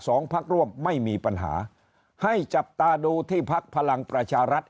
พักร่วมไม่มีปัญหาให้จับตาดูที่พักพลังประชารัฐ